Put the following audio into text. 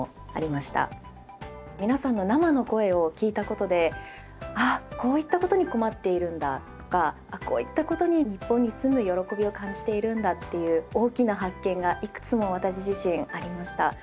皆さんの生の声を聴いたことでああこういったことに困っているんだとかあこういったことに日本に住む喜びを感じているんだっていう大きな発見がいくつも私自身ありました。